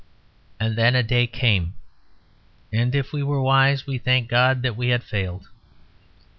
And then a day came, and if we were wise, we thanked God that we had failed.